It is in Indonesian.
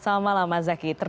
selamat malam mbak putri